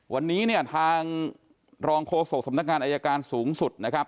วันนี้เนี่ยทางรองโฆษกสำนักงานอายการสูงสุดนะครับ